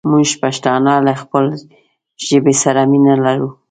مونږ پښتانه له خپلې ژبې سره مينه لرو